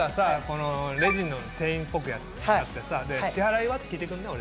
このレジの店員っぽくやってさ「支払いは？」って聞いてくんない？